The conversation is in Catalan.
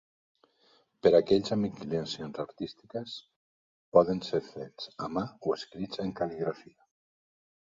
Per a aquells amb inclinacions artístiques, poden ser fets a mà o escrits en cal·ligrafia.